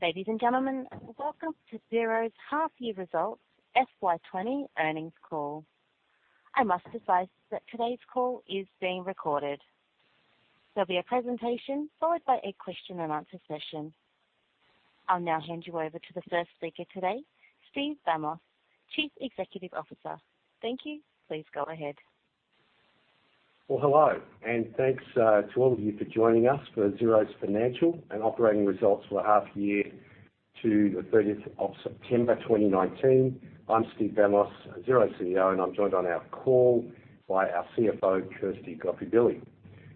Ladies and gentlemen, welcome to Xero's half year results FY 2020 earnings call. I must advise that today's call is being recorded. There will be a presentation followed by a question and answer session. I will now hand you over to the first speaker today, Steve Vamos, Chief Executive Officer. Thank you. Please go ahead. Well, hello, thanks to all of you for joining us for Xero's financial and operating results for the half year to the 30th of September 2019. I'm Steve Vamos, Xero's CEO, and I'm joined on our call by our CFO, Kirsty Godfrey-Billy.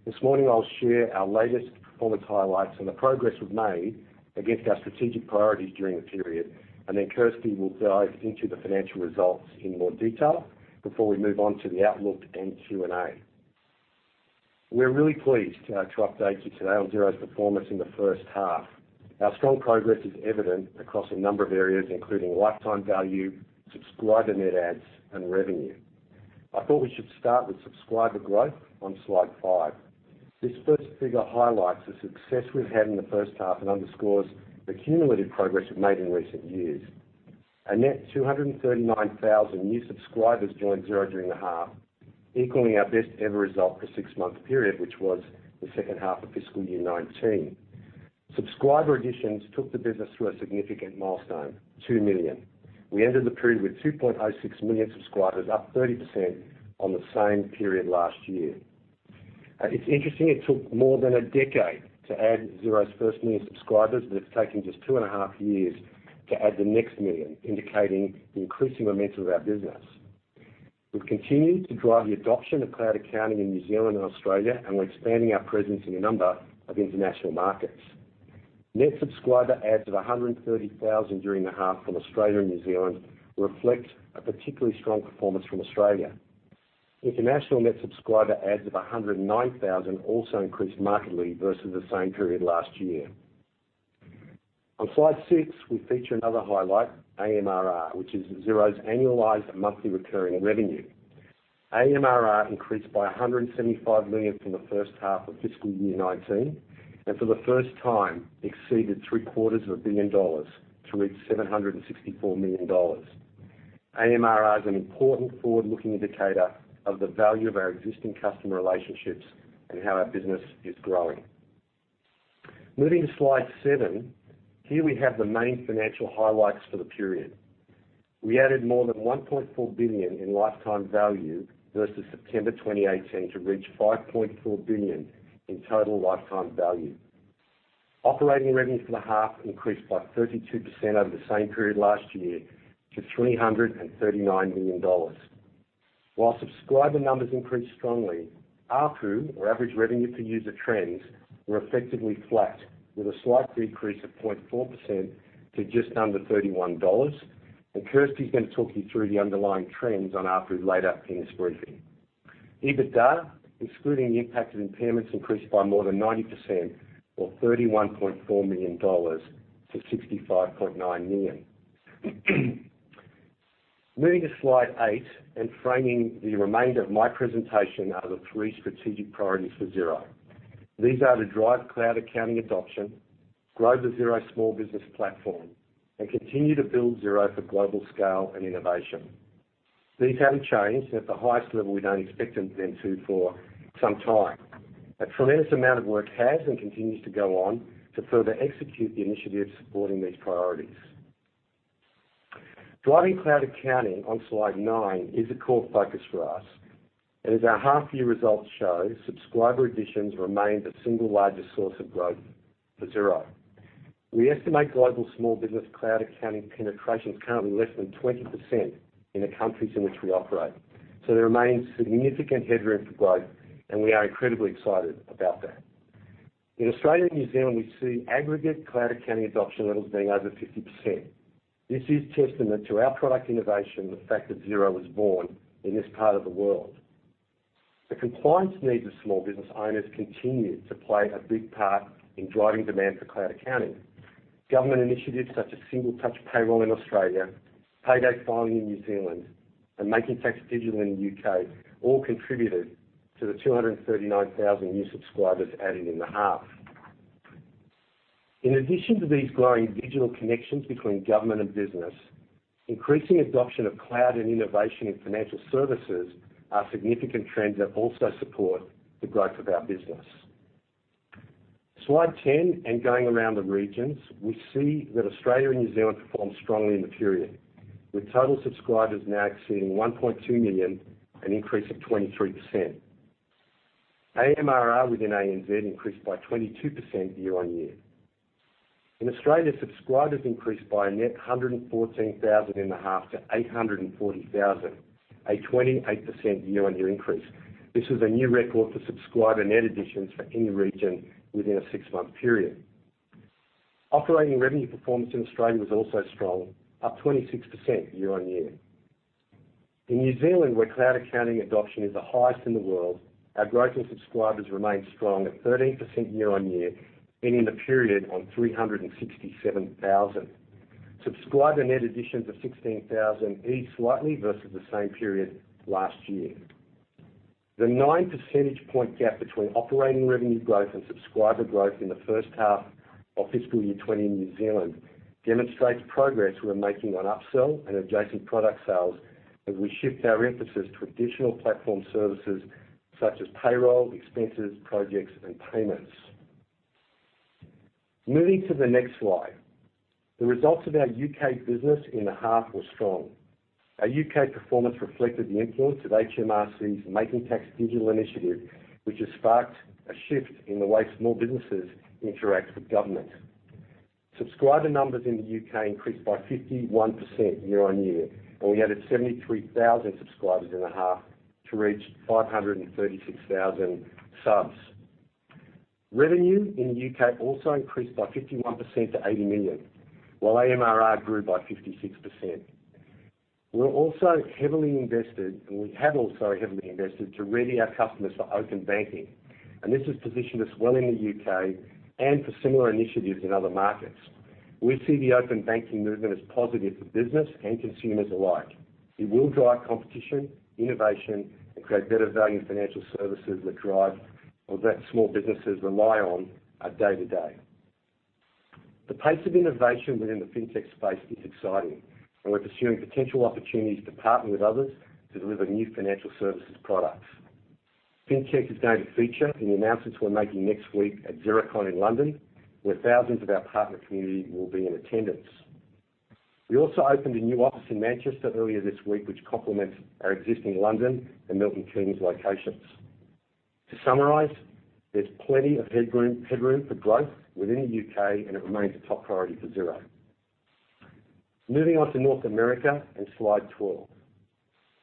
This morning, I'll share our latest performance highlights and the progress we've made against our strategic priorities during the period, and then Kirsty will dive into the financial results in more detail before we move on to the outlook and Q&A. We're really pleased to update you today on Xero's performance in the first half. Our strong progress is evident across a number of areas, including lifetime value, subscriber net adds, and revenue. I thought we should start with subscriber growth on slide five. This first figure highlights the success we've had in the first half and underscores the cumulative progress we've made in recent years. A net 239,000 new subscribers joined Xero during the half, equaling our best ever result for a six-month period, which was the second half of fiscal year 2019. Subscriber additions took the business through a significant milestone, 2 million. We ended the period with 2.06 million subscribers, up 30% on the same period last year. It's interesting it took more than a decade to add Xero's first 1 million subscribers, but it's taken just two and a half years to add the next 1 million, indicating the increasing momentum of our business. We've continued to drive the adoption of cloud accounting in New Zealand and Australia, and we're expanding our presence in a number of international markets. Net subscriber adds of 130,000 during the half from Australia and New Zealand reflect a particularly strong performance from Australia. International net subscriber adds of 109,000 also increased markedly versus the same period last year. On slide six, we feature another highlight, AMRR, which is Xero's annualized monthly recurring revenue. AMRR increased by 175 million from the first half of FY 2019, and for the first time exceeded three-quarters of a billion NZD to reach 764 million dollars. AMRR is an important forward-looking indicator of the value of our existing customer relationships and how our business is growing. Moving to slide seven, here we have the main financial highlights for the period. We added more than 1.4 billion in lifetime value versus September 2018 to reach 5.4 billion in total lifetime value. Operating revenue for the half increased by 32% over the same period last year to 339 million dollars. While subscriber numbers increased strongly, ARPU, or average revenue per user trends, were effectively flat with a slight decrease of 0.4% to just under 31 dollars. Kirsty's going to talk you through the underlying trends on ARPU later in this briefing. EBITDA, excluding the impact of impairments, increased by more than 90%, or 31.4 million dollars to 65.9 million. Moving to slide eight and framing the remainder of my presentation are the three strategic priorities for Xero. These are to drive cloud accounting adoption, grow the Xero small business platform, and continue to build Xero for global scale and innovation. These haven't changed, and at the highest level, we don't expect them to for some time. A tremendous amount of work has and continues to go on to further execute the initiatives supporting these priorities. Driving cloud accounting on slide nine is a core focus for us. As our half-year results show, subscriber additions remained the single largest source of growth for Xero. We estimate global small business cloud accounting penetration is currently less than 20% in the countries in which we operate. There remains significant headroom for growth, and we are incredibly excited about that. In Australia and New Zealand, we see aggregate cloud accounting adoption levels being over 50%. This is testament to our product innovation, the fact that Xero was born in this part of the world. The compliance needs of small business owners continue to play a big part in driving demand for cloud accounting. Government initiatives such as Single Touch Payroll in Australia, payday filing in New Zealand, and Making Tax Digital in the U.K. all contributed to the 239,000 new subscribers added in the half. In addition to these growing digital connections between government and business, increasing adoption of cloud and innovation in financial services are significant trends that also support the growth of our business. Slide 10, going around the regions, we see that Australia and New Zealand performed strongly in the period, with total subscribers now exceeding 1.2 million, an increase of 23%. AMRR within ANZ increased by 22% year-on-year. In Australia, subscribers increased by a net 114,000 in the half to 840,000, a 28% year-on-year increase. This was a new record for subscriber net additions for any region within a six-month period. Operating revenue performance in Australia was also strong, up 26% year-on-year. In New Zealand, where cloud accounting adoption is the highest in the world, our growth in subscribers remained strong at 13% year-on-year, ending the period on 367,000. Subscriber net additions of 16,000, each slightly versus the same period last year. The nine percentage point gap between operating revenue growth and subscriber growth in the first half of FY 2020 in New Zealand demonstrates progress we're making on upsell and adjacent product sales as we shift our emphasis to additional platform services such as payroll, expenses, projects, and payments. Moving to the next slide. The results of our U.K. business in the half were strong. Our U.K. performance reflected the influence of HMRC's Making Tax Digital initiative, which has sparked a shift in the way small businesses interact with government. Subscriber numbers in the U.K. increased by 51% year-on-year, and we added 73,000 subscribers in a half to reach 536,000 subs. Revenue in the U.K. also increased by 51% to 80 million, while AMRR grew by 56%. We're also heavily invested, and we have also heavily invested to ready our customers for open banking, and this has positioned us well in the U.K. and for similar initiatives in other markets. We see the open banking movement as positive for business and consumers alike. It will drive competition, innovation, and create better value financial services that small businesses rely on day to day. The pace of innovation within the fintech space is exciting, and we're pursuing potential opportunities to partner with others to deliver new financial services products. Fintech is going to feature in the announcements we're making next week at Xerocon in London, where thousands of our partner community will be in attendance. We also opened a new office in Manchester earlier this week, which complements our existing London and Milton Keynes locations. To summarize, there's plenty of headroom for growth within the U.K., and it remains a top priority for Xero. Moving on to North America and slide 12.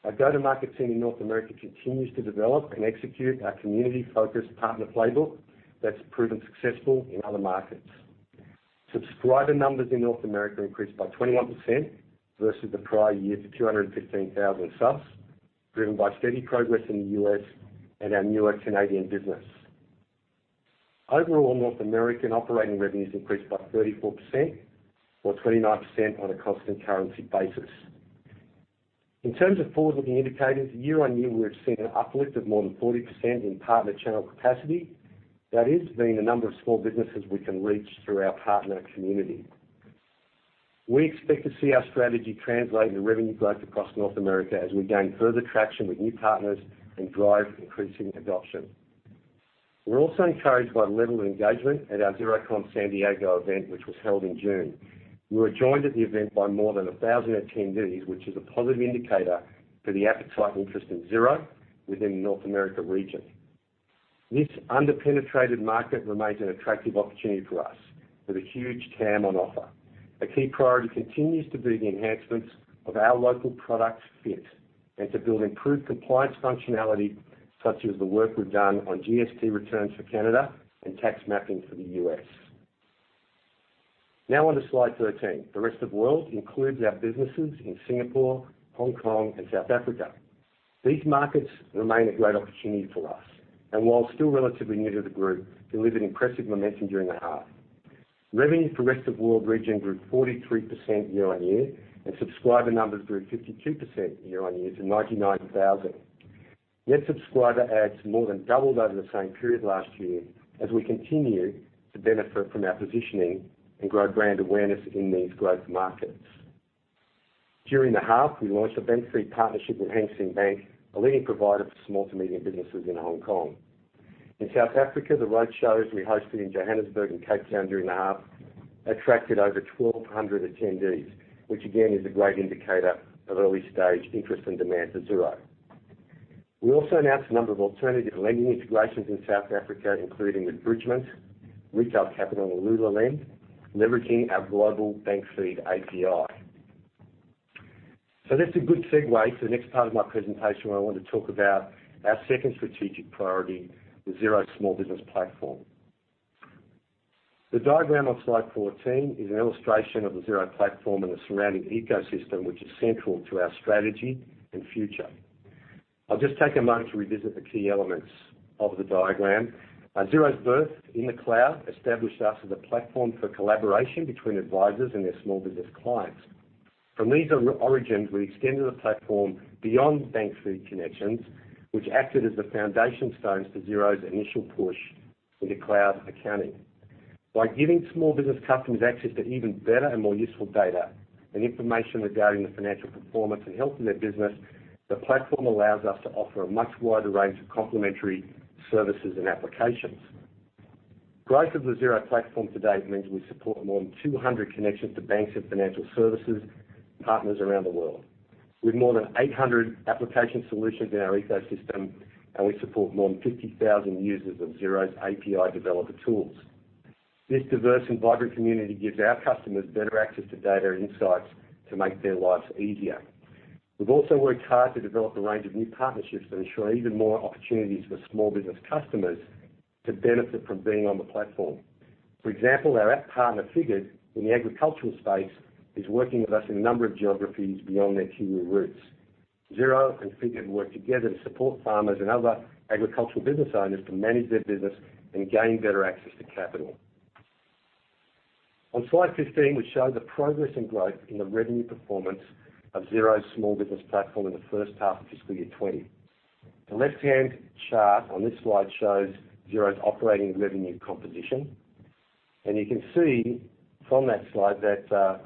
Our go-to-market team in North America continues to develop and execute our community-focused partner playbook that's proven successful in other markets. Subscriber numbers in North America increased by 21% versus the prior year to 215,000 subs, driven by steady progress in the U.S. and our newer Canadian business. Overall, North American operating revenues increased by 34% or 29% on a constant currency basis. In terms of forward-looking indicators, year-over-year, we have seen an uplift of more than 40% in partner channel capacity. That is, being the number of small businesses we can reach through our partner community. We expect to see our strategy translate into revenue growth across North America as we gain further traction with new partners and drive increasing adoption. We're also encouraged by the level of engagement at our Xerocon San Diego event, which was held in June. We were joined at the event by more than 1,000 attendees, which is a positive indicator for the appetite and interest in Xero within the North America region. This under-penetrated market remains an attractive opportunity for us with a huge TAM on offer. A key priority continues to be the enhancements of our local product fit and to build improved compliance functionality, such as the work we've done on GST returns for Canada and tax mapping for the U.S. Now on to slide 13. The rest of world includes our businesses in Singapore, Hong Kong, and South Africa. These markets remain a great opportunity for us, and while still relatively new to the group, delivered impressive momentum during the half. Revenue for rest of world region grew 43% year-on-year, and subscriber numbers grew 52% year-on-year to 99,000. Net subscriber adds more than doubled over the same period last year as we continue to benefit from our positioning and grow brand awareness in these growth markets. During the half, we launched a bank feed partnership with Hang Seng Bank, a leading provider for small to medium businesses in Hong Kong. In South Africa, the road shows we hosted in Johannesburg and Cape Town during the half attracted over 1,200 attendees, which again, is a great indicator of early-stage interest and demand for Xero. We also announced a number of alternative lending integrations in South Africa, including with Bridgement, Retail Capital, and Lulalend, leveraging our global bank feed API. That's a good segue to the next part of my presentation, where I want to talk about our second strategic priority, the Xero small business platform. The diagram on slide 14 is an illustration of the Xero platform and the surrounding ecosystem, which is central to our strategy and future. I'll just take a moment to revisit the key elements of the diagram. Xero's birth in the cloud established us as a platform for collaboration between advisors and their small business clients. From these origins, we extended the platform beyond bank feed connections, which acted as the foundation stones for Xero's initial push into cloud accounting. By giving small business customers access to even better and more useful data and information regarding the financial performance and health of their business, the platform allows us to offer a much wider range of complimentary services and applications. Growth of the Xero platform to date means we support more than 200 connections to banks and financial services partners around the world. With more than 800 application solutions in our ecosystem, and we support more than 50,000 users of Xero's API developer tools. This diverse and vibrant community gives our customers better access to data insights to make their lives easier. We've also worked hard to develop a range of new partnerships that ensure even more opportunities for small business customers to benefit from being on the platform. For example, our app partner, Figured, in the agricultural space, is working with us in a number of geographies beyond their Kiwi roots. Xero and Figured work together to support farmers and other agricultural business owners to manage their business and gain better access to capital. On slide 15, we show the progress and growth in the revenue performance of Xero's small business platform in the first half of FY 2020. The left-hand chart on this slide shows Xero's operating revenue composition. You can see from there that our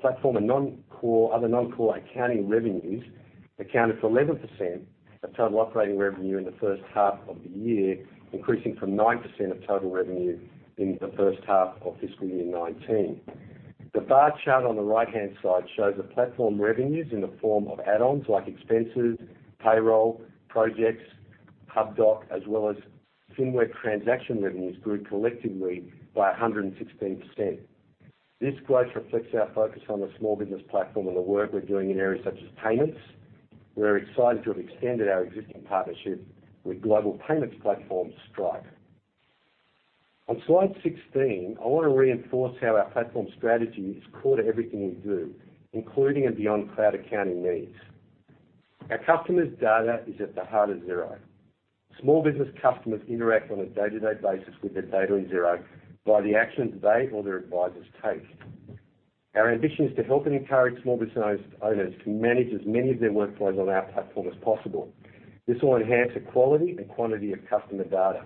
platform and other non-core accounting revenues accounted for 11% of total operating revenue in the first half of the year, increasing from 9% of total revenue in the first half of FY 2019. The bar chart on the right-hand side shows the platform revenues in the form of add-ons, like expenses, payroll, projects, Hubdoc, as well as fintech transaction revenues grew collectively by 116%. This growth reflects our focus on the small business platform and the work we're doing in areas such as payments. We're excited to have extended our existing partnership with global payments platform, Stripe. On slide 16, I want to reinforce how our platform strategy is core to everything we do, including and beyond cloud accounting needs. Our customers' data is at the heart of Xero. Small business customers interact on a day-to-day basis with their data in Xero by the actions they or their advisors take. Our ambition is to help and encourage small business owners to manage as many of their workflows on our platform as possible. This will enhance the quality and quantity of customer data.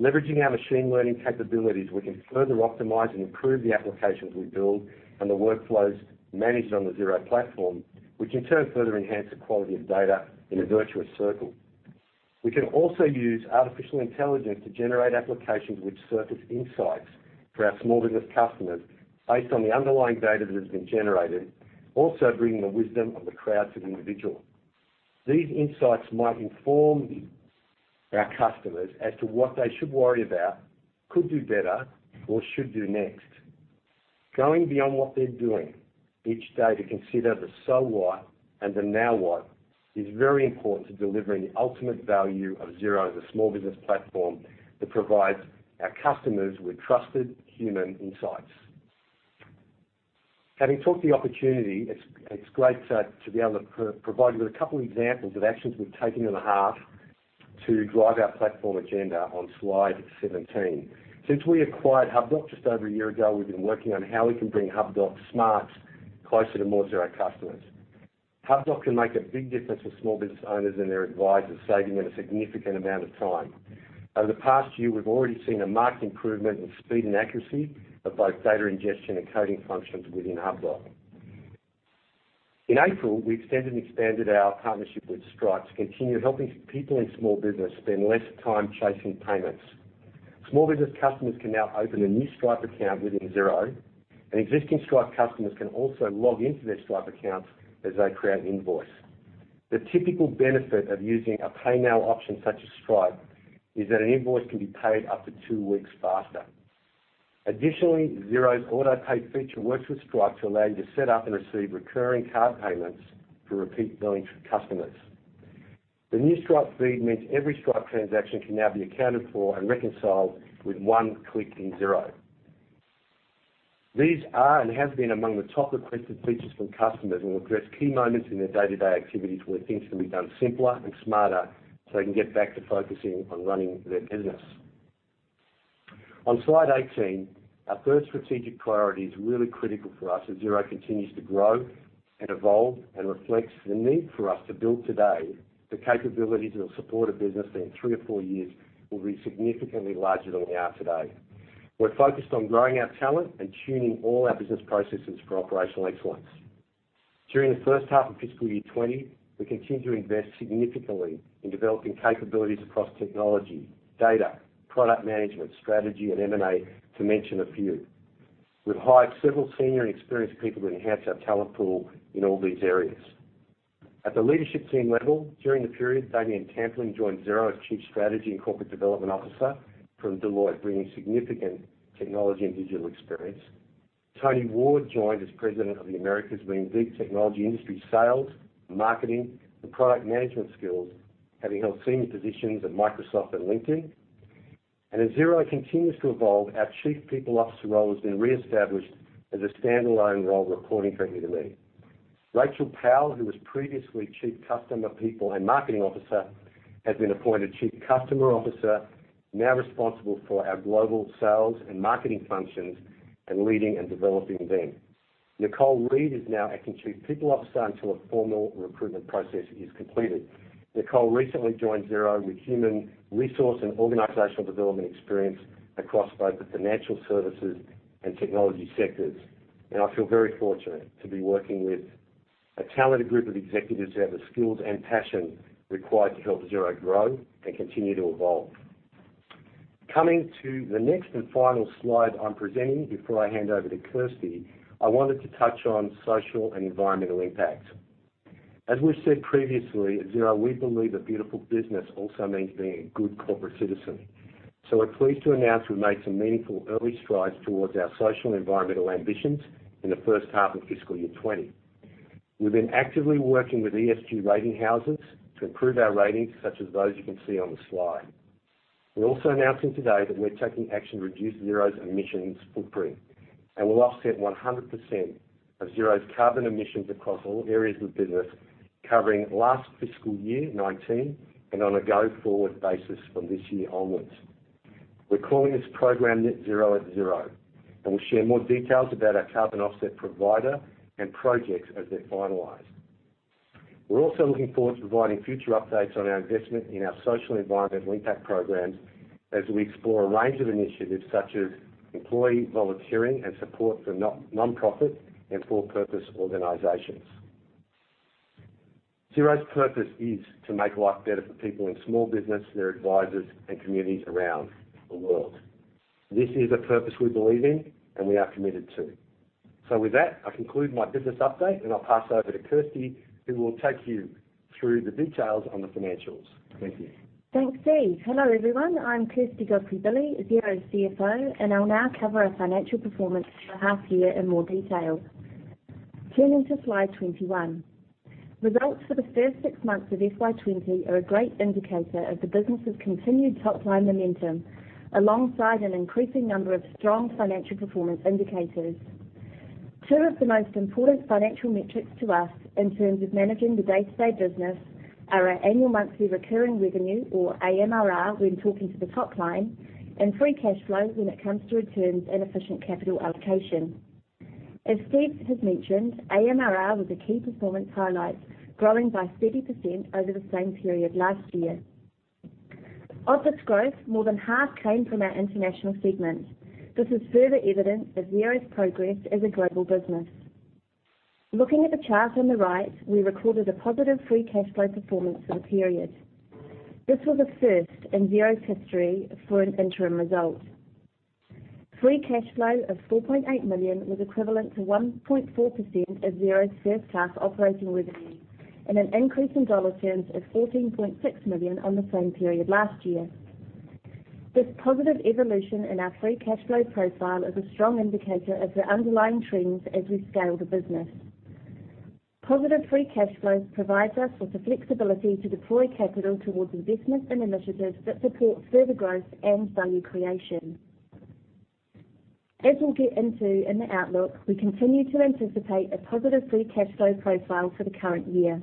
Leveraging our machine learning capabilities, we can further optimize and improve the applications we build and the workflows managed on the Xero platform, which in turn further enhance the quality of data in a virtuous circle. We can also use artificial intelligence to generate applications which surface insights for our small business customers based on the underlying data that has been generated, also bringing the wisdom of the crowd to the individual. These insights might inform our customers as to what they should worry about, could do better, or should do next. Going beyond what they're doing each day to consider the "so what" and the "now what" is very important to delivering the ultimate value of Xero as a small business platform that provides our customers with trusted human insights. Having took the opportunity, it's great to be able to provide you with a couple examples of actions we've taken in the half to drive our platform agenda on Slide 17. Since we acquired Hubdoc just over a year ago, we've been working on how we can bring Hubdoc's smarts closer to more Xero customers. Hubdoc can make a big difference for small business owners and their advisors, saving them a significant amount of time. Over the past year, we've already seen a marked improvement in speed and accuracy of both data ingestion and coding functions within Hubdoc. In April, we extended and expanded our partnership with Stripe to continue helping people in small business spend less time chasing payments. Small business customers can now open a new Stripe account within Xero, and existing Stripe customers can also log in to their Stripe accounts as they create an invoice. The typical benefit of using a pay now option such as Stripe is that an invoice can be paid up to two weeks faster. Additionally, Xero's auto-pay feature works with Stripe to allow you to set up and receive recurring card payments for repeat billing for customers. The new Stripe feed means every Stripe transaction can now be accounted for and reconciled with one click in Xero. These are and have been among the top requested features from customers and will address key moments in their day-to-day activities where things can be done simpler and smarter, so they can get back to focusing on running their business. On slide 18, our first strategic priority is really critical for us as Xero continues to grow and evolve, and reflects the need for us to build today the capabilities that will support a business that in three or four years will be significantly larger than we are today. We're focused on growing our talent and tuning all our business processes for operational excellence. During the first half of fiscal year 2020, we continue to invest significantly in developing capabilities across technology, data, product management, strategy, and M&A, to mention a few. We've hired several senior and experienced people to enhance our talent pool in all these areas. At the leadership team level, during the period, Damien Tampling joined Xero as Chief Strategy and Corporate Development Officer from Deloitte, bringing significant technology and digital experience. Tony Ward joined as President of the Americas, bringing deep technology industry sales, marketing, and product management skills, having held senior positions at Microsoft and LinkedIn. As Xero continues to evolve, our Chief People Officer role has been reestablished as a standalone role reporting directly to me. Rachael Powell, who was previously Chief Customer, People, and Marketing Officer, has been appointed Chief Customer Officer, now responsible for our global sales and marketing functions and leading and developing them. Nicole Reid is now acting Chief People Officer until a formal recruitment process is completed. Nicole recently joined Xero with human resource and organizational development experience across both the financial services and technology sectors. I feel very fortunate to be working with a talented group of executives who have the skills and passion required to help Xero grow and continue to evolve. Coming to the next and final slide I'm presenting before I hand over to Kirsty, I wanted to touch on social and environmental impact. As we've said previously, at Xero, we believe a beautiful business also means being a good corporate citizen. We're pleased to announce we've made some meaningful early strides towards our social and environmental ambitions in the first half of FY 2020. We've been actively working with ESG rating houses to improve our ratings, such as those you can see on the slide. We're also announcing today that we're taking action to reduce Xero's emissions footprint, and we'll offset 100% of Xero's carbon emissions across all areas of the business, covering last FY 2019 and on a go-forward basis from this year onwards. We're calling this program Net Zero @ Xero. We'll share more details about our carbon offset provider and projects as they're finalized. We're also looking forward to providing future updates on our investment in our social environmental impact programs as we explore a range of initiatives such as employee volunteering and support for nonprofit and for-purpose organizations. Xero's purpose is to make life better for people in small business, their advisors, and communities around the world. This is a purpose we believe in and we are committed to. With that, I conclude my business update, and I'll pass over to Kirsty, who will take you through the details on the financials. Thank you. Thanks, Steve. Hello, everyone. I'm Kirsty Godfrey-Billy, Xero's CFO, and I'll now cover our financial performance for the half year in more detail. Turning to slide 21. Results for the first six months of FY 2020 are a great indicator of the business's continued top-line momentum, alongside an increasing number of strong financial performance indicators. Two of the most important financial metrics to us in terms of managing the day-to-day business are our annual monthly recurring revenue, or AMRR, when talking to the top line, and free cash flow when it comes to returns and efficient capital allocation. As Steve has mentioned, AMRR was a key performance highlight, growing by 30% over the same period last year. Of this growth, more than half came from our international segment. This is further evidence of Xero's progress as a global business. Looking at the chart on the right, we recorded a positive free cash flow performance for the period. This was a first in Xero's history for an interim result. Free cash flow of 4.8 million was equivalent to 1.4% of Xero's first half operating revenue, and an increase in dollar terms of 14.6 million on the same period last year. This positive evolution in our free cash flow profile is a strong indicator of the underlying trends as we scale the business. Positive free cash flow provides us with the flexibility to deploy capital towards investments and initiatives that support further growth and value creation. As we'll get into in the outlook, we continue to anticipate a positive free cash flow profile for the current year.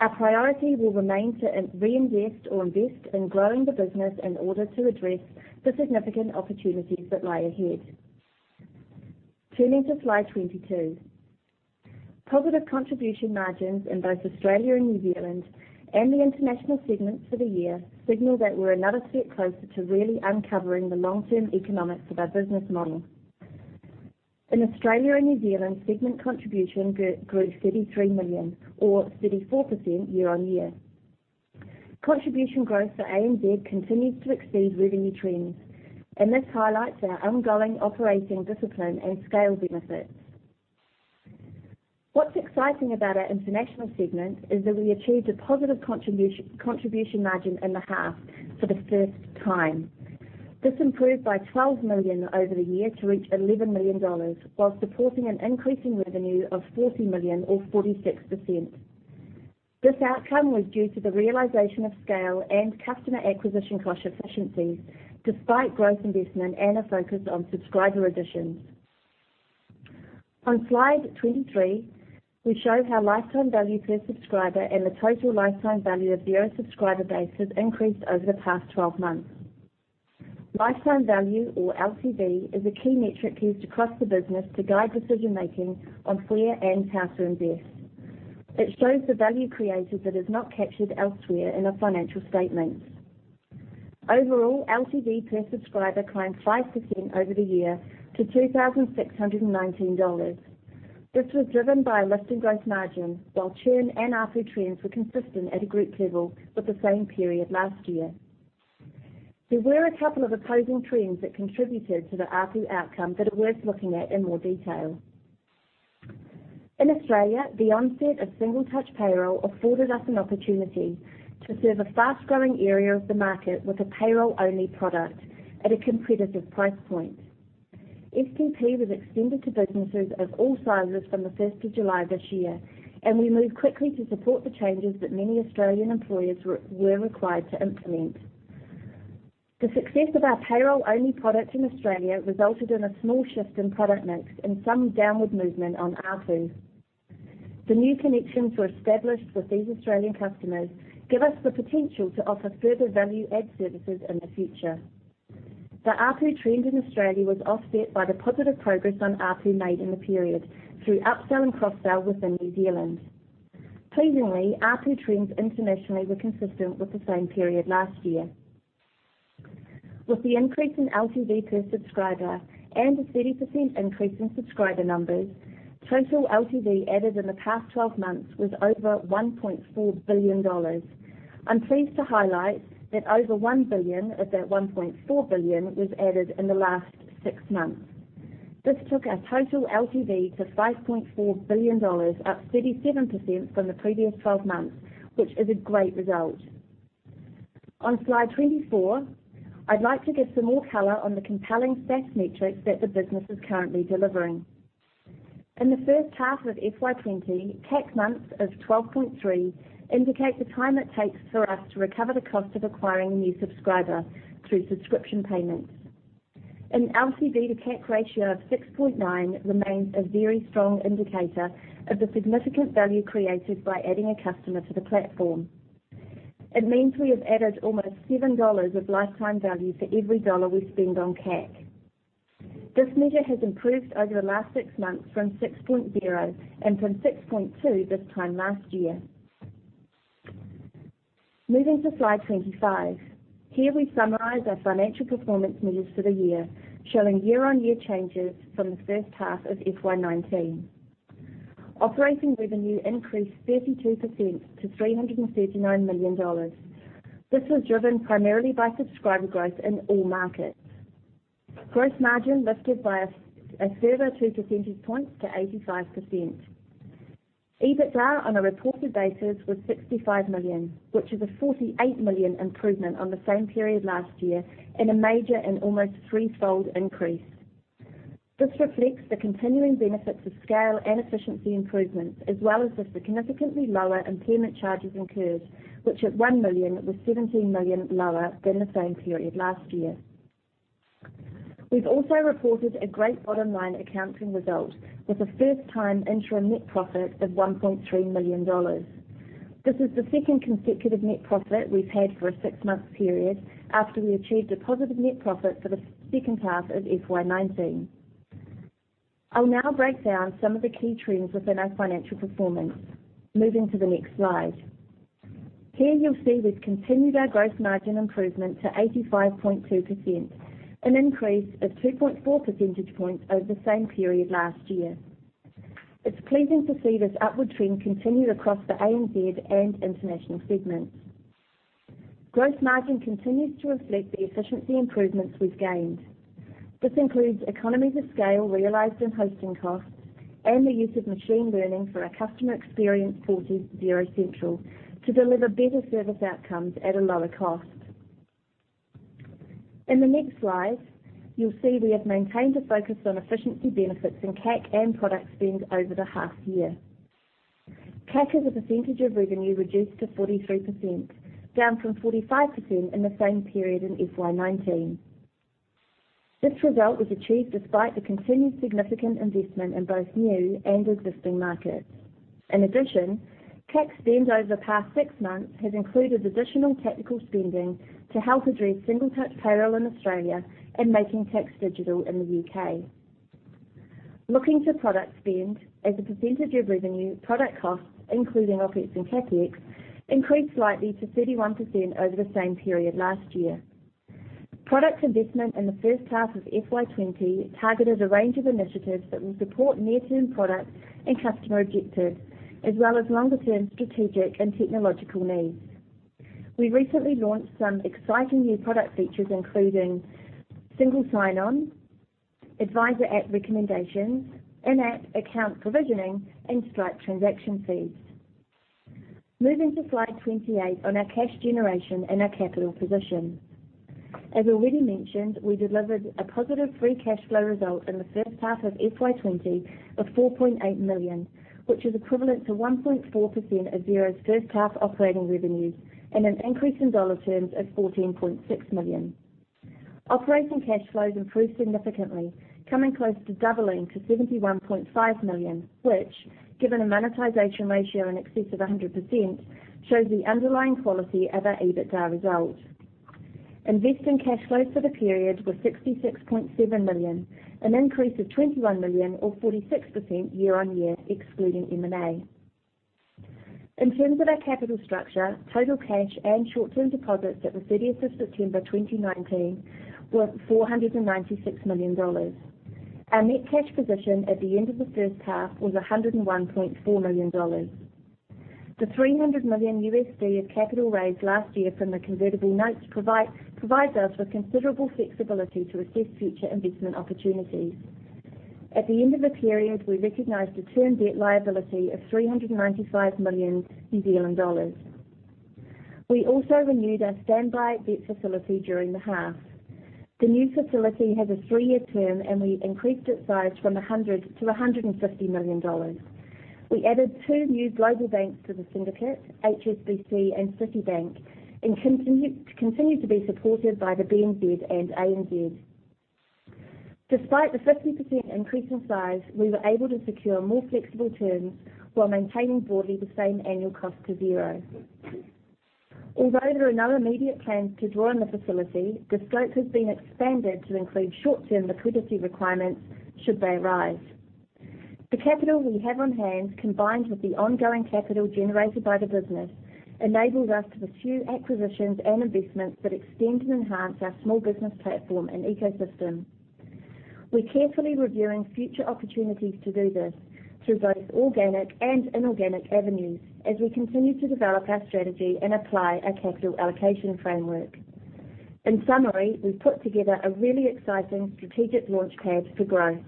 Our priority will remain to reinvest or invest in growing the business in order to address the significant opportunities that lie ahead. Turning to slide 22. Positive contribution margins in both Australia and New Zealand and the international segments for the year signal that we're another step closer to really uncovering the long-term economics of our business model. In Australia and New Zealand, segment contribution grew 33 million, or 34% year-on-year. Contribution growth for ANZ continues to exceed revenue trends. This highlights our ongoing operating discipline and scale benefits. What's exciting about our international segment is that we achieved a positive contribution margin in the half for the first time. This improved by 12 million over the year to reach 11 million dollars, while supporting an increase in revenue of 40 million or 46%. This outcome was due to the realization of scale and customer acquisition cost efficiencies, despite growth investment and a focus on subscriber additions. On slide 23, we show how lifetime value per subscriber and the total lifetime value of Xero's subscriber base has increased over the past 12 months. Lifetime value, or LTV, is a key metric used across the business to guide decision-making on where and how to invest. It shows the value created that is not captured elsewhere in our financial statements. Overall, LTV per subscriber climbed 5% over the year to 2,619 dollars. This was driven by a lift in gross margin, while churn and ARPU trends were consistent at a group level with the same period last year. There were a couple of opposing trends that contributed to the ARPU outcome that are worth looking at in more detail. In Australia, the onset of Single Touch Payroll afforded us an opportunity to serve a fast-growing area of the market with a payroll-only product at a competitive price point. STP was extended to businesses of all sizes from the 5th of July this year. We moved quickly to support the changes that many Australian employers were required to implement. The success of our payroll-only product in Australia resulted in a small shift in product mix and some downward movement on ARPU. The new connections we established with these Australian customers give us the potential to offer further value-add services in the future. The ARPU trend in Australia was offset by the positive progress on ARPU made in the period through upsell and cross-sell within New Zealand. Pleasingly, ARPU trends internationally were consistent with the same period last year. With the increase in LTV per subscriber and a 30% increase in subscriber numbers, total LTV added in the past 12 months was over 1.4 billion dollars. I'm pleased to highlight that over 1 billion of that 1.4 billion was added in the last six months. This took our total LTV to 5.4 billion dollars, up 37% from the previous 12 months, which is a great result. On slide 24, I'd like to give some more color on the compelling SaaS metrics that the business is currently delivering. In the first half of FY 2020, CAC months of 12.3 indicate the time it takes for us to recover the cost of acquiring a new subscriber through subscription payments. An LTV to CAC ratio of 6.9 remains a very strong indicator of the significant value created by adding a customer to the platform. It means we have added almost 7 dollars of lifetime value for every NZD we spend on CAC. This measure has improved over the last six months from 6.0 and from 6.2 this time last year. Moving to slide 25. Here I summarize our financial performance measures for the year, showing year-on-year changes from the first half of FY 2019. Operating revenue increased 32% to 339 million dollars. This was driven primarily by subscriber growth in all markets. Gross margin lifted by a further two percentage points to 85%. EBITDA on a reported basis was 65 million, which is a 48 million improvement on the same period last year and a major and almost three-fold increase. This reflects the continuing benefits of scale and efficiency improvements, as well as the significantly lower impairment charges incurred, which at 1 million, was 17 million lower than the same period last year. We've also reported a great bottom-line accounting result, with a first-time interim net profit of 1.3 million dollars. This is the second consecutive net profit we've had for a six-month period after we achieved a positive net profit for the second half of FY19. I'll now break down some of the key trends within our financial performance. Moving to the next slide. Here you'll see we've continued our gross margin improvement to 85.2%, an increase of 2.4 percentage points over the same period last year. It's pleasing to see this upward trend continue across the ANZ and international segments. Gross margin continues to reflect the efficiency improvements we've gained. This includes economies of scale realized in hosting costs and the use of machine learning for our customer experience portal, Xero Central, to deliver better service outcomes at a lower cost. In the next slide, you'll see we have maintained a focus on efficiency benefits in CAC and product spend over the half year. CAC as a percentage of revenue reduced to 43%, down from 45% in the same period in FY 2019. This result was achieved despite the continued significant investment in both new and existing markets. CAC spend over the past six months has included additional tactical spending to help address Single Touch Payroll in Australia and Making Tax Digital in the U.K. Looking to product spend as a percentage of revenue, product costs, including OpEx and CapEx, increased slightly to 31% over the same period last year. Product investment in the first half of FY 2020 targeted a range of initiatives that will support near-term product and customer objectives, as well as longer-term strategic and technological needs. We recently launched some exciting new product features, including single sign-on, advisor app recommendations, in-app account provisioning, and Stripe transaction feeds. Moving to slide 28 on our cash generation and our capital position. As already mentioned, we delivered a positive free cash flow result in the first half of FY 2020 of 4.8 million, which is equivalent to 1.4% of Xero's first half operating revenues and an increase in dollar terms of 14.6 million. Operating cash flows improved significantly, coming close to doubling to 71.5 million, which, given a monetization ratio in excess of 100%, shows the underlying quality of our EBITDA result. Investing cash flows for the period were 66.7 million, an increase of 21 million or 46% year-on-year excluding M&A. In terms of our capital structure, total cash and short-term deposits at the 30th of September 2019 were 496 million dollars. Our net cash position at the end of the first half was 101.4 million dollars. The $300 million USD of capital raised last year from the convertible notes provides us with considerable flexibility to assess future investment opportunities. At the end of the period, we recognized a term debt liability of 395 million New Zealand dollars. We also renewed our standby debt facility during the half. The new facility has a three-year term, and we increased its size from 100 to 150 million dollars. We added two new global banks to the syndicate, HSBC and Citibank, and continue to be supported by the BNZ and ANZ. Despite the 50% increase in size, we were able to secure more flexible terms while maintaining broadly the same annual cost to Xero. Although there are no immediate plans to draw on the facility, the scope has been expanded to include short-term liquidity requirements should they arise. The capital we have on hand, combined with the ongoing capital generated by the business, enables us to pursue acquisitions and investments that extend and enhance our small business platform and ecosystem. We're carefully reviewing future opportunities to do this through both organic and inorganic avenues as we continue to develop our strategy and apply our capital allocation framework. In summary, we've put together a really exciting strategic launchpad for growth.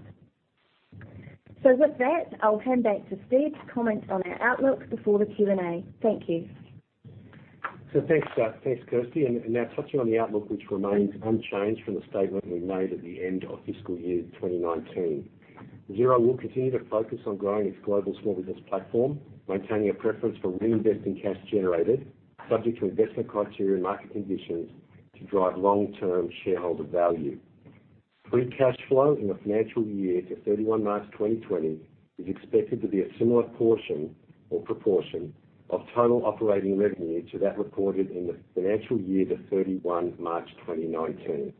With that, I'll hand back to Steve to comment on our outlook before the Q&A. Thank you. Thanks, Kirsty. Now touching on the outlook, which remains unchanged from the statement we made at the end of fiscal year 2019. Xero will continue to focus on growing its global small business platform, maintaining a preference for reinvesting cash generated Subject to investment criteria and market conditions to drive long-term shareholder value. Free cash flow in the financial year to 31 March 2020 is expected to be a similar portion or proportion of total operating revenue to that reported in the financial year to 31 March 2019.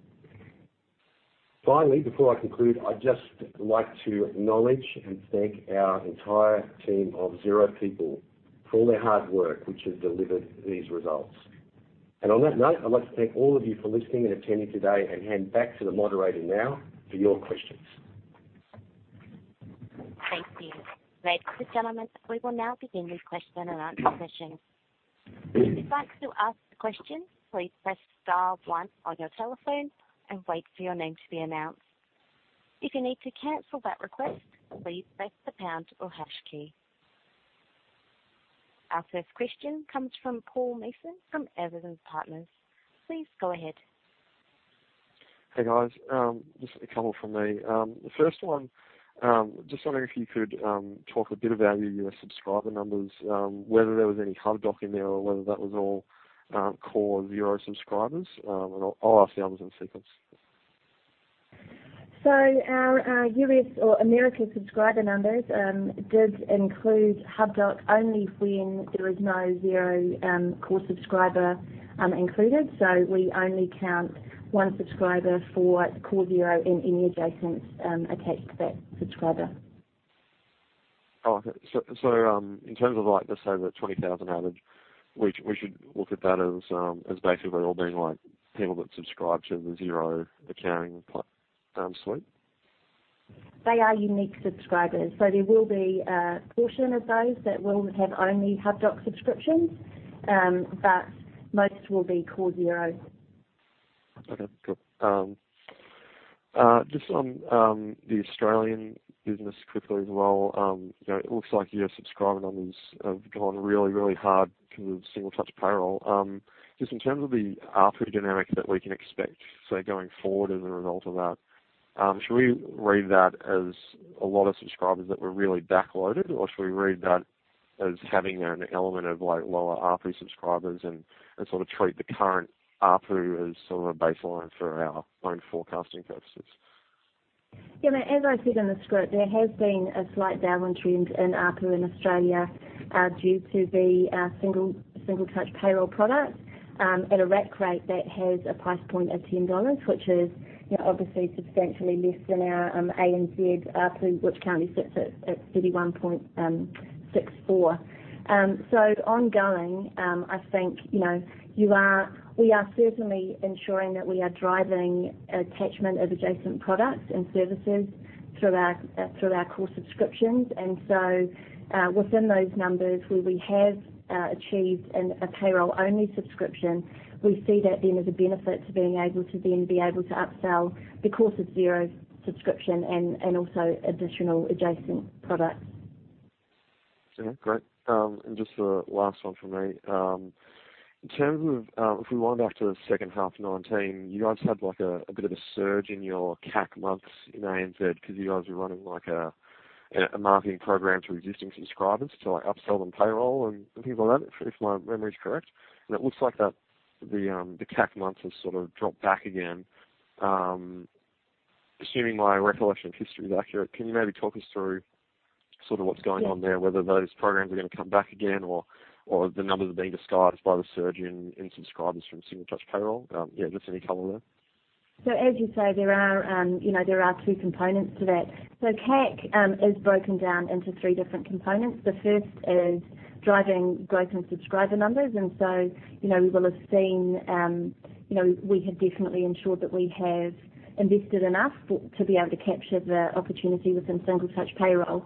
Finally, before I conclude, I'd just like to acknowledge and thank our entire team of Xero people for all their hard work, which has delivered these results. On that note, I'd like to thank all of you for listening and attending today, and hand back to the moderator now for your questions. Thank you. Ladies and gentlemen, we will now begin the question and answer session. If you'd like to ask a question, please press star one on your telephone and wait for your name to be announced. If you need to cancel that request, please press the pound or hash key. Our first question comes from Paul Mason from Evans and Partners. Please go ahead. Hey, guys. Just a couple from me. The first one, just wondering if you could talk a bit about your U.S. subscriber numbers, whether there was any Hubdoc in there or whether that was all core Xero subscribers? I'll ask the others in sequence. Our U.S. or Americas subscriber numbers did include Hubdoc only when there is no Xero core subscriber included. We only count one subscriber for core Xero and any adjacents attached to that subscriber. Oh, okay. In terms of, let's say the 20,000 average, we should look at that as basically all being people that subscribe to the Xero accounting suite? They are unique subscribers. There will be a portion of those that will have only Hubdoc subscriptions, but most will be core Xero. Okay, cool. Just on the Australian business quickly as well. It looks like your subscriber numbers have gone really, really hard because of Single Touch Payroll. Just in terms of the ARPU dynamic that we can expect, so going forward as a result of that, should we read that as a lot of subscribers that were really backloaded, or should we read that as having an element of lower ARPU subscribers and sort of treat the current ARPU as sort of a baseline for our own forecasting purposes? Yeah, as I said in the script, there has been a slight downward trend in ARPU in Australia due to the Single Touch Payroll product at a rack rate that has a price point of 10 dollars, which is obviously substantially less than our ANZ ARPU, which currently sits at 31.64. Ongoing, I think, we are certainly ensuring that we are driving attachment of adjacent products and services through our core subscriptions. Within those numbers, where we have achieved a payroll-only subscription, we see that then as a benefit to being able to then upsell the core Xero subscription and also additional adjacent products. Yeah, great. Just a last one from me. In terms of, if we wind back to the second half FY19, you guys had a bit of a surge in your CAC months in ANZ because you guys were running a marketing program for existing subscribers to upsell them payroll and things like that, if my memory is correct. It looks like the CAC months have sort of dropped back again. Assuming my recollection of history is accurate, can you maybe talk us through sort of what's going on there, whether those programs are going to come back again or the numbers are being disguised by the surge in subscribers from Single Touch Payroll? Yeah, just any color there. As you say, there are two components to that. CAC is broken down into three different components. The first is driving growth in subscriber numbers, you will have seen we have definitely ensured that we have invested enough to be able to capture the opportunity within Single Touch Payroll.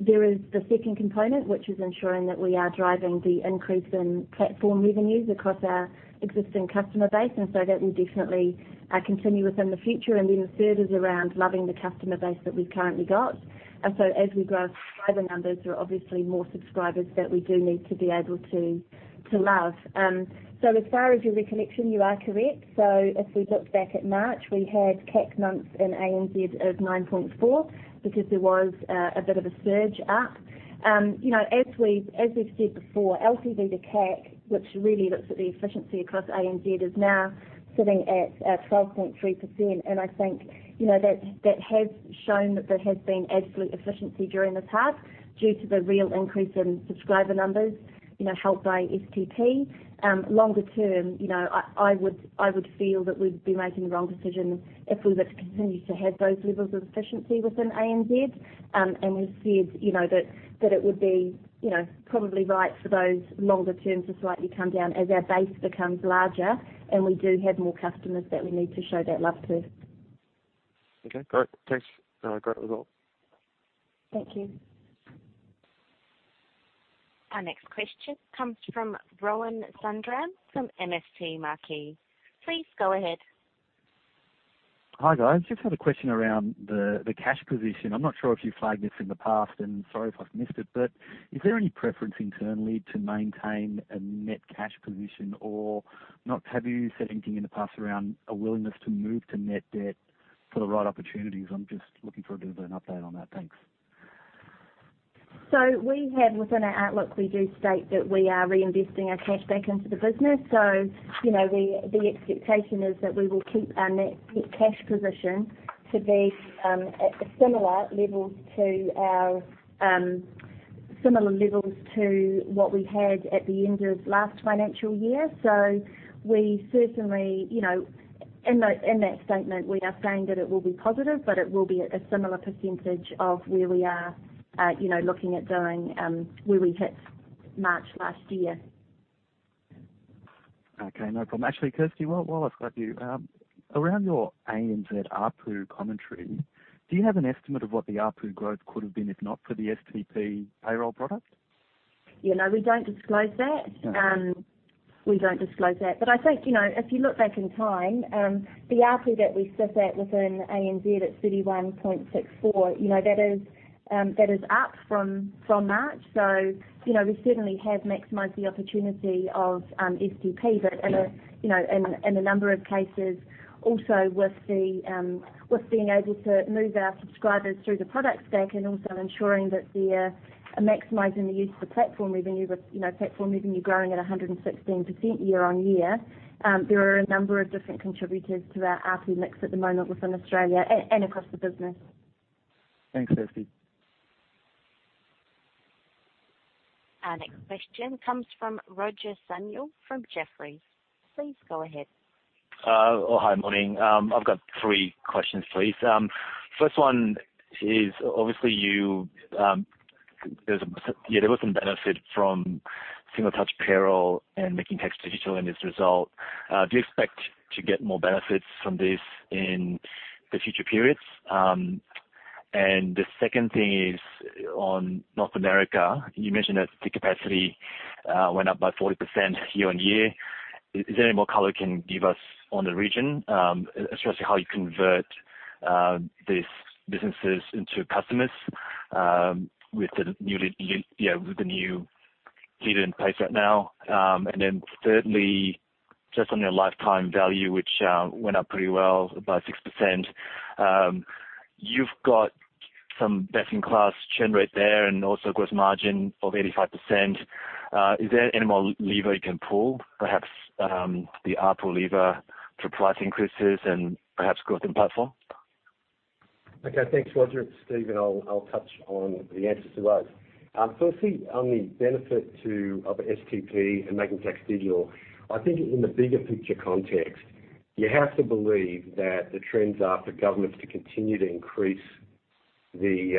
There is the second component, which is ensuring that we are driving the increase in platform revenues across our existing customer base, that will definitely continue within the future. The third is around loving the customer base that we've currently got. As we grow subscriber numbers, there are obviously more subscribers that we do need to be able to love. As far as your recollection, you are correct. If we look back at March, we had CAC months in ANZ of 9.4 because there was a bit of a surge up. As we've said before, LTV to CAC, which really looks at the efficiency across ANZ, is now sitting at 12.3%. I think that has shown that there has been absolute efficiency during the past due to the real increase in subscriber numbers helped by STP. Longer term, I would feel that we'd be making the wrong decision if we were to continue to have those levels of efficiency within ANZ. We've said that it would be probably right for those longer terms to slightly come down as our base becomes larger and we do have more customers that we need to show that love to. Okay, great. Thanks. Great result. Thank you. Our next question comes from Rohan Sundram from MST Marquee. Please go ahead. Hi, guys. Just had a question around the cash position. I'm not sure if you flagged this in the past, and sorry if I've missed it, but is there any preference internally to maintain a net cash position or not? Have you said anything in the past around a willingness to move to net debt for the right opportunities? I'm just looking for a bit of an update on that. Thanks. Within our outlook, we do state that we are reinvesting our cash back into the business. The expectation is that we will keep our net cash position to be at similar levels to what we had at the end of last financial year. In that statement, we are saying that it will be positive, but it will be at a similar percentage of where we hit March last year. Okay, no problem. Actually, Kirsty, while I've got you, around your ANZ ARPU commentary, do you have an estimate of what the ARPU growth could have been if not for the STP payroll product? No, we don't disclose that. Okay. We don't disclose that. I think, if you look back in time, the ARPU that we sit at within ANZ at 31.64, that is up from March. We certainly have maximized the opportunity of STP. In a number of cases, also with being able to move our subscribers through the product stack and also ensuring that they're maximizing the use of the platform revenue. Platform revenue growing at 116% year on year, there are a number of different contributors to our ARPU mix at the moment within Australia and across the business. Thanks, Kirsty. Our next question comes from Roger Samuel from Jefferies. Please go ahead. Oh, hi. Morning. I've got three questions, please. First one is, obviously, there was some benefit from Single Touch Payroll and Making Tax Digital in this result. Do you expect to get more benefits from this in the future periods? The second thing is on North America. You mentioned that the capacity went up by 40% year-on-year. Is there any more color you can give us on the region, especially how you convert these businesses into customers with the new leader in place right now? Thirdly, just on your lifetime value, which went up pretty well by 6%. You've got some best-in-class churn rate there and also gross margin of 85%. Is there any more lever you can pull, perhaps, the ARPU lever for price increases and perhaps growth in platform? Okay, thanks, Roger. It's Steve, I'll touch on the answers to those. Firstly, on the benefit of STP and Making Tax Digital, I think in the bigger picture context, you have to believe that the trends are for governments to continue to increase the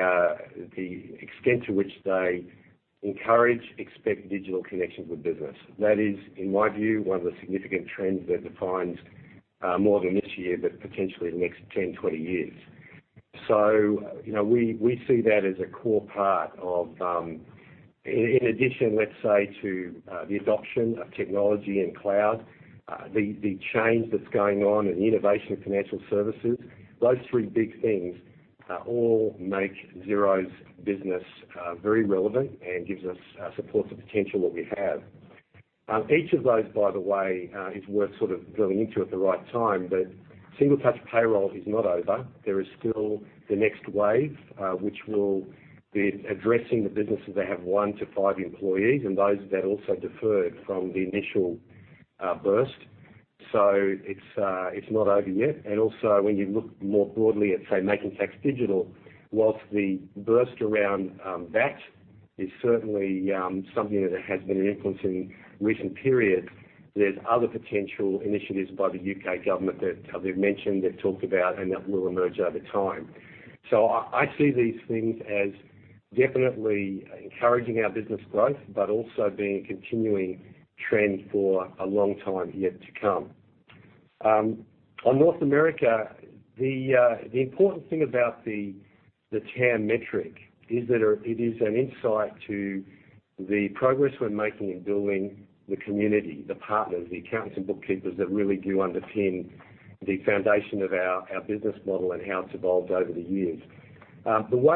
extent to which they encourage, expect digital connections with business. That is, in my view, one of the significant trends that defines more than this year, but potentially the next 10, 20 years. We see that as a core part of, in addition, let's say, to the adoption of technology and cloud, the change that's going on and the innovation of financial services. Those three big things all make Xero's business very relevant and supports the potential that we have. Each of those, by the way, is worth sort of drilling into at the right time. Single Touch Payroll is not over. There is still the next wave, which will be addressing the businesses that have one to five employees, and those that also deferred from the initial burst. It's not over yet. Also, when you look more broadly at, say, Making Tax Digital, whilst the burst around that is certainly something that has been influencing recent periods, there's other potential initiatives by the U.K. government that they've mentioned, they've talked about, and that will emerge over time. I see these things as definitely encouraging our business growth, but also being a continuing trend for a long time yet to come. On North America, the important thing about the TAM metric is that it is an insight to the progress we're making in building the community, the partners, the accountants and bookkeepers that really do underpin the foundation of our business model and how it's evolved over the years.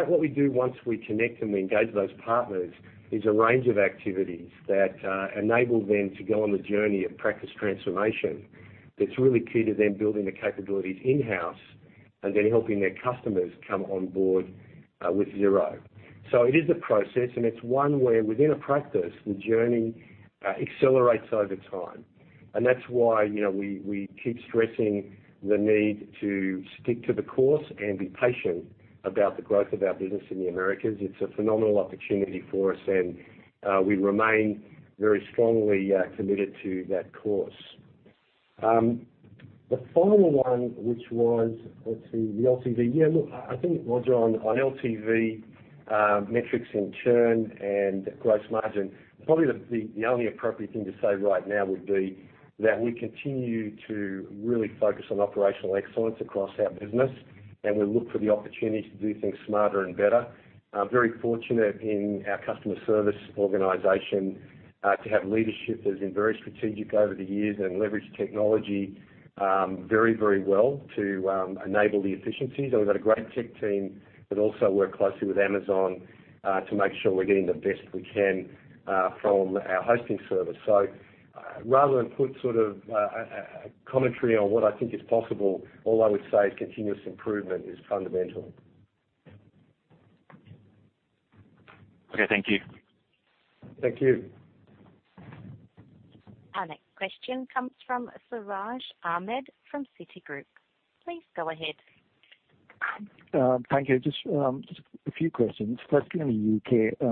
What we do once we connect and we engage those partners is a range of activities that enable them to go on the journey of practice transformation that's really key to them building the capabilities in-house and then helping their customers come on board with Xero. It is a process, and it's one where within a practice, the journey accelerates over time. That's why we keep stressing the need to stick to the course and be patient about the growth of our business in the Americas. It's a phenomenal opportunity for us, and we remain very strongly committed to that course. The final one, which was, let's see, the LTV. Yeah, look, I think it was on LTV metrics and churn and gross margin. Probably the only appropriate thing to say right now would be that we continue to really focus on operational excellence across our business, and we look for the opportunity to do things smarter and better. Very fortunate in our customer service organization to have leadership that's been very strategic over the years and leveraged technology very well to enable the efficiencies. We've got a great tech team that also work closely with Amazon to make sure we're getting the best we can from our hosting service. Rather than put a commentary on what I think is possible, all I would say is continuous improvement is fundamental. Okay. Thank you. Thank you. Our next question comes from Siraj Ahmed from Citigroup. Please go ahead. Thank you. Just a few questions. Firstly, on the U.K., Steve,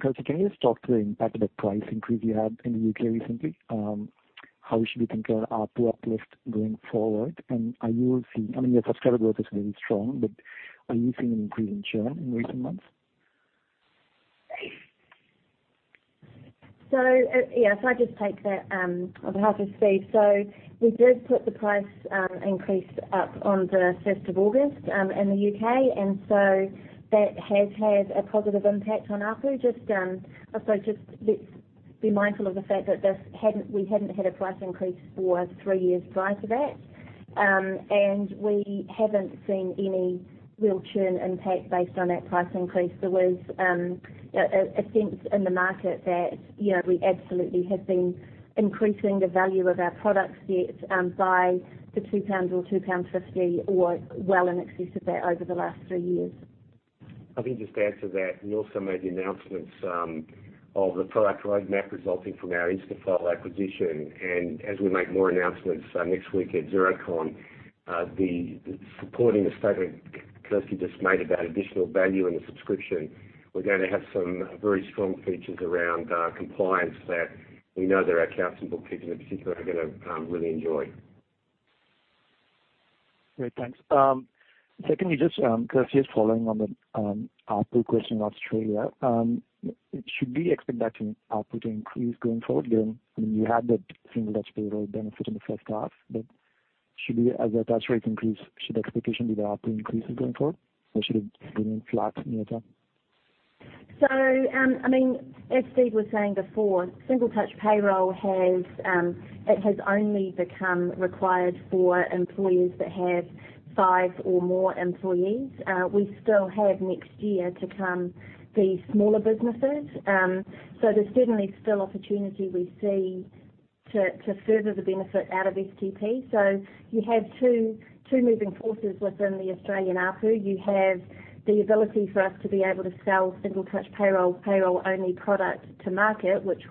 Kirsty, can you just talk to the impact of the price increase you had in the U.K. recently? How should we think of ARPU uplift going forward? I mean, your subscriber growth is really strong, but are you seeing an increase in churn in recent months? Yes. If I just take that on behalf of Steve. We did put the price increase up on the 5th of August in the U.K., that has had a positive impact on ARPU. Also, just let's be mindful of the fact that we hadn't had a price increase for three years prior to that. We haven't seen any real churn impact based on that price increase. There was a sense in the market that we absolutely have been increasing the value of our product set by the 2 pounds or 2.50 pounds or well in excess of that over the last three years. If I can just answer that, we also made the announcements of the product roadmap resulting from our Instanafile acquisition. As we make more announcements next week at Xerocon, supporting the statement Kirsty just made about additional value in the subscription, we're going to have some very strong features around compliance that we know that our accounts and bookkeepers in particular are going to really enjoy. Great. Thanks. Secondly, Kirsty, just following on the ARPU question in Australia. Should we expect that ARPU to increase going forward then? I mean, you had that Single Touch Payroll benefit in the first half, but should we, as that attach rate increase, should the expectation be that ARPU increases going forward or should it remain flat near-term? As Steve was saying before, Single Touch Payroll it has only become required for employers that have five or more employees. We still have next year to come these smaller businesses. There's certainly still opportunity we see to further the benefit out of STP. You have two moving forces within the Australian ARPU. You have the ability for us to be able to sell Single Touch Payroll only product to market, which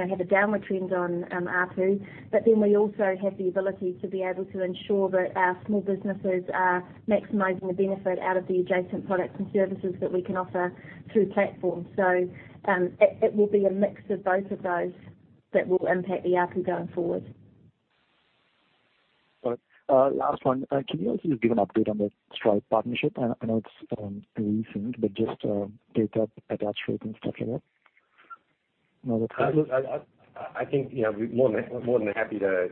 would have a downward trend on ARPU. We also have the ability to be able to ensure that our small businesses are maximizing the benefit out of the adjacent products and services that we can offer through Platform. It will be a mix of both of those that will impact the ARPU going forward. All right. Last one. Can you also just give an update on the Stripe partnership? I know it's recent, but just update on attach rate and stuff like that. I think, we're more than happy to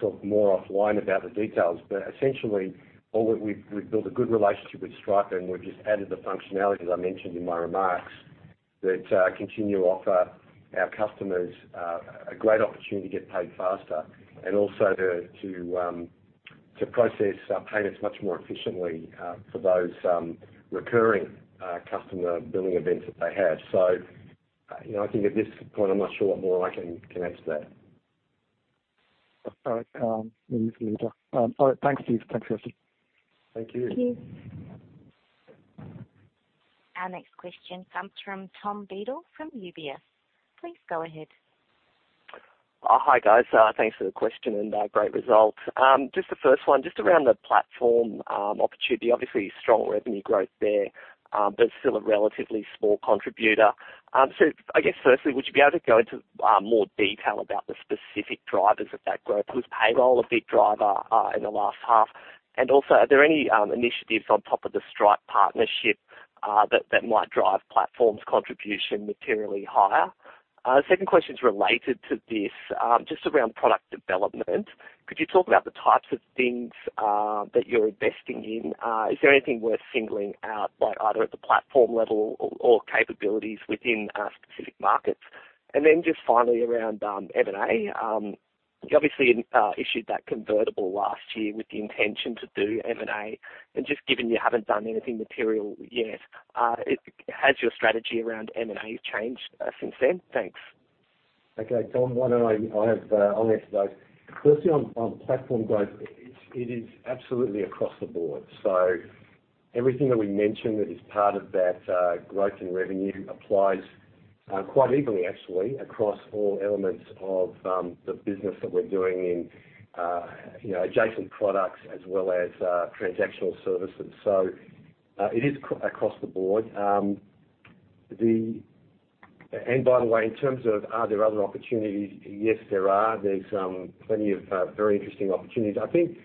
talk more offline about the details. Essentially, we've built a good relationship with Stripe, and we've just added the functionality, as I mentioned in my remarks, that continue to offer our customers a great opportunity to get paid faster and also to process payments much more efficiently for those recurring customer billing events that they have. I think at this point, I'm not sure what more I can add to that. All right. Maybe for later. All right. Thanks, Steve. Thanks, Kirsty. Thank you. Thank you. Our next question comes from Tom Beadle from UBS. Please go ahead. Hi, guys. Thanks for the question and great results. Just the first one, just around the Platform opportunity, obviously strong revenue growth there, but still a relatively small contributor. I guess firstly, would you be able to go into more detail about the specific drivers of that growth? Was Payroll a big driver in the last half? Are there any initiatives on top of the Stripe partnership that might drive Platform's contribution materially higher? Second question is related to this, just around product development. Could you talk about the types of things that you're investing in? Is there anything worth singling out, like either at the Platform level or capabilities within specific markets? Just finally around M&A. You obviously issued that convertible last year with the intention to do M&A. Just given you haven't done anything material yet, has your strategy around M&A changed since then? Thanks. Okay. Tom, why don't I answer those? Firstly, on Platform growth, it is absolutely across the board. Everything that we mentioned that is part of that growth in revenue applies quite evenly, actually, across all elements of the business that we're doing in adjacent products as well as transactional services. It is across the board. By the way, in terms of are there other opportunities? Yes, there are. There's plenty of very interesting opportunities. I think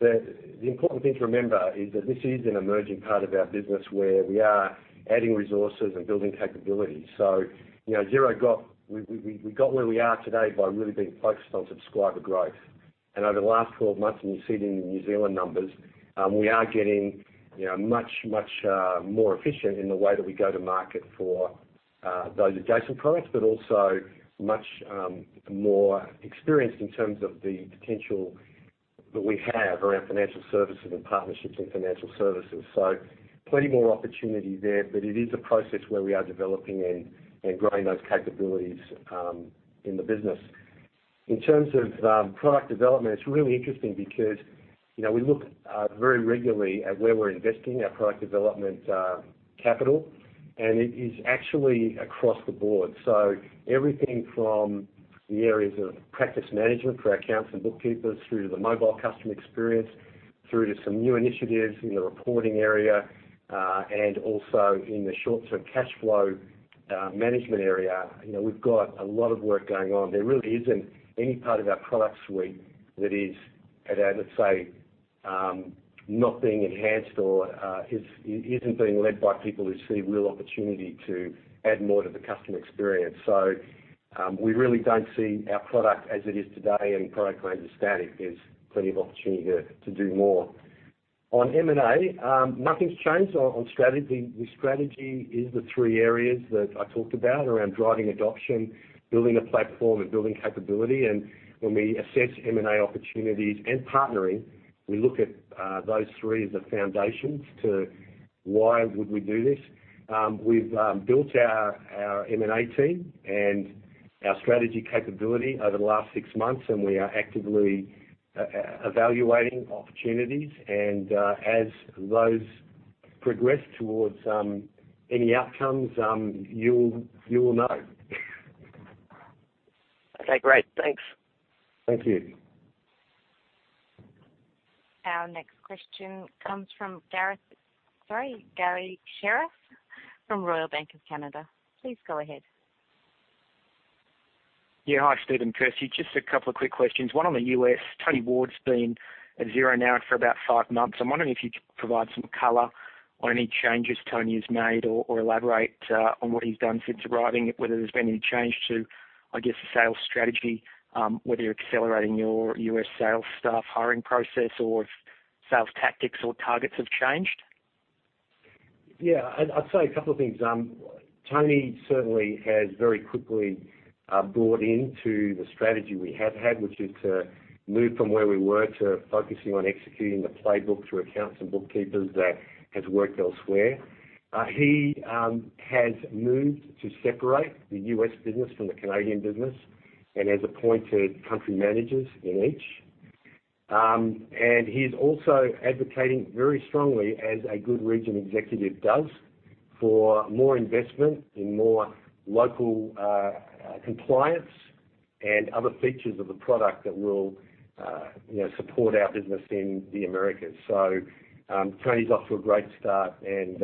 that the important thing to remember is that this is an emerging part of our business where we are adding resources and building capabilities. We got where we are today by really being focused on subscriber growth. Over the last 12 months, and you see it in the New Zealand numbers, we are getting much, much more efficient in the way that we go to market for those adjacent products, but also much more experienced in terms of the potential that we have around financial services and partnerships in financial services. Plenty more opportunity there. It is a process where we are developing and growing those capabilities in the business. In terms of product development, it's really interesting because we look very regularly at where we're investing our product development capital, and it is actually across the board. Everything from the areas of practice management for our accounts and bookkeepers, through to the mobile customer experience, through to some new initiatives in the reporting area, and also in the short-term cash flow management area. We've got a lot of work going on. There really isn't any part of our product suite that is at, let's say, not being enhanced or isn't being led by people who see real opportunity to add more to the customer experience. We really don't see our product as it is today and product range as static. There's plenty of opportunity to do more. On M&A, nothing's changed on strategy. The strategy is the three areas that I talked about around driving adoption, building a platform, and building capability. When we assess M&A opportunities and partnering, we look at those three as the foundations to why would we do this. We've built our M&A team and our strategy capability over the last six months, and we are actively evaluating opportunities. As those progress towards any outcomes, you'll know. Okay, great. Thanks. Thank you. Our next question comes from Garry Sherriff from Royal Bank of Canada. Please go ahead. Yeah. Hi, Steve and Kirsty. Just a couple of quick questions. One on the U.S. Tony Ward's been at Xero now for about five months. I'm wondering if you could provide some color on any changes Tony's made or elaborate on what he's done since arriving, whether there's been any change to, I guess, the sales strategy, whether you're accelerating your U.S. sales staff hiring process or if sales tactics or targets have changed. Yeah, I'd say a couple of things. Tony certainly has very quickly bought into the strategy we have had, which is to move from where we were to focusing on executing the playbook through accounts and bookkeepers that has worked elsewhere. He has moved to separate the U.S. business from the Canadian business and has appointed country managers in each. He's also advocating very strongly, as a good region executive does, for more investment in more local compliance and other features of the product that will support our business in the Americas. Tony's off to a great start and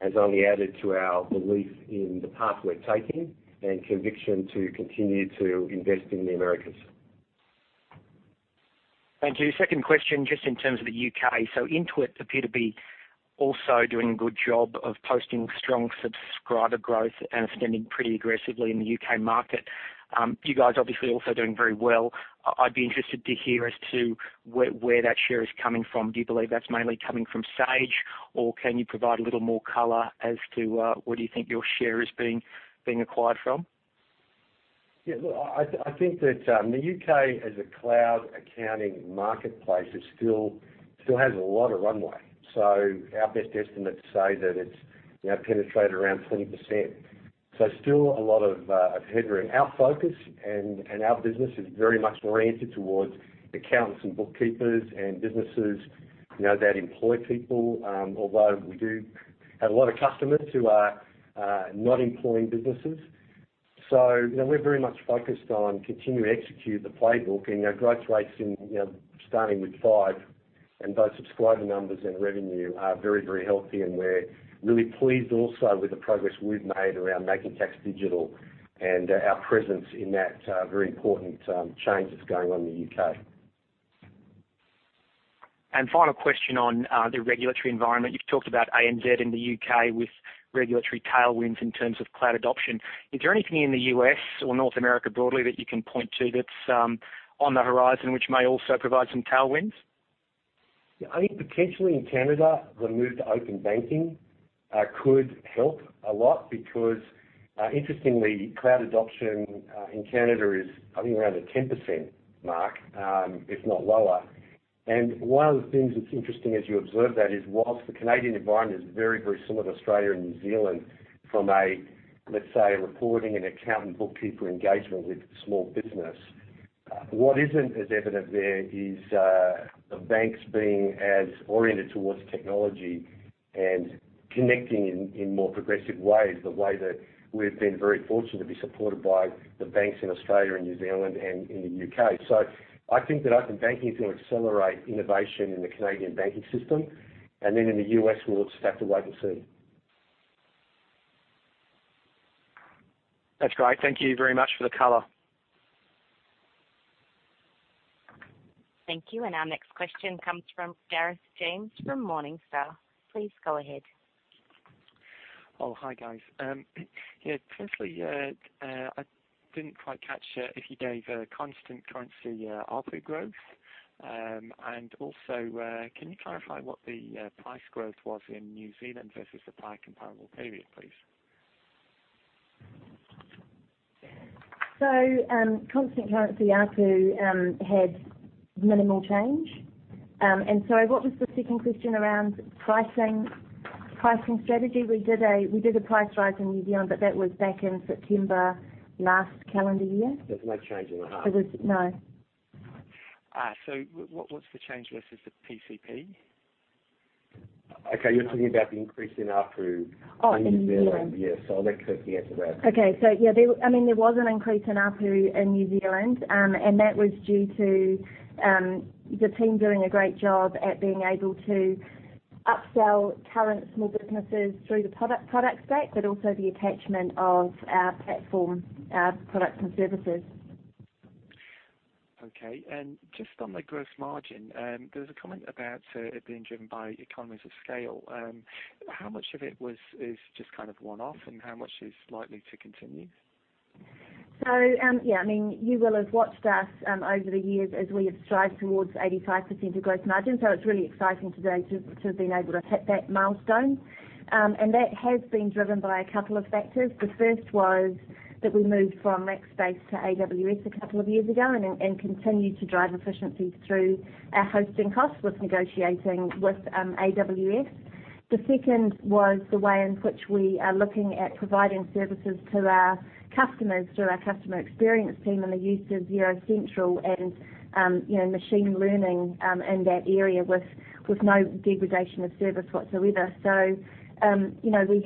has only added to our belief in the path we're taking and conviction to continue to invest in the Americas. Thank you. Second question, just in terms of the U.K. Intuit appear to be also doing a good job of posting strong subscriber growth and expanding pretty aggressively in the U.K. market. You guys obviously also doing very well. I'd be interested to hear as to where that share is coming from. Do you believe that's mainly coming from Sage, or can you provide a little more color as to where do you think your share is being acquired from? Yeah, look, I think that the U.K. as a cloud accounting marketplace, it still has a lot of runway. Our best estimates say that it's penetrated around 20%. Still a lot of headroom. Our focus and our business is very much oriented towards accountants and bookkeepers and businesses that employ people. Although we do have a lot of customers who are not employing businesses. We're very much focused on continuing to execute the playbook and our growth rates starting with five, and both subscriber numbers and revenue are very healthy. We're really pleased also with the progress we've made around Making Tax Digital and our presence in that very important change that's going on in the U.K. Final question on the regulatory environment. You've talked about ANZ in the U.K. with regulatory tailwinds in terms of cloud adoption. Is there anything in the U.S. or North America broadly that you can point to that's on the horizon, which may also provide some tailwinds? I think potentially in Canada, the move to open banking could help a lot because, interestingly, cloud adoption in Canada is, I think, around the 10% mark if not lower. One of the things that's interesting as you observe that is whilst the Canadian environment is very similar to Australia and New Zealand from a, let's say, reporting and accountant bookkeeper engagement with small business. What isn't as evident there is the banks being as oriented towards technology and connecting in more progressive ways, the way that we've been very fortunate to be supported by the banks in Australia and New Zealand and in the U.K. I think that open banking is going to accelerate innovation in the Canadian banking system. In the U.S., we'll just have to wait and see. That's great. Thank you very much for the color. Thank you. Our next question comes from Gareth James from Morningstar. Please go ahead. Hi, guys. Firstly, I didn't quite catch if you gave a constant currency output growth. Also, can you clarify what the price growth was in New Zealand versus the prior comparable period, please? Constant currency ARPU had minimal change. Sorry, what was the second question around pricing strategy? We did a price rise in New Zealand, but that was back in September last calendar year. There's no change in the half? There was no. What's the change versus the PCP? Okay, you're talking about the increase in ARPU. Oh, in New Zealand. in New Zealand. Yeah. I'll let Kirsty answer that. There was an increase in ARPU in New Zealand, and that was due to the team doing a great job at being able to upsell current small businesses through the product stack, but also the attachment of our platform, our products, and services. Okay. Just on the gross margin, there was a comment about it being driven by economies of scale. How much of it is just one-off, and how much is likely to continue? Yeah, you will have watched us over the years as we have strived towards 85% of gross margin. It's really exciting today to have been able to hit that milestone. That has been driven by a couple of factors. The first was that we moved from Rackspace to AWS a couple of years ago and continue to drive efficiencies through our hosting costs with negotiating with AWS. The second was the way in which we are looking at providing services to our customers through our customer experience team and the use of Xero Central and machine learning in that area with no degradation of service whatsoever. We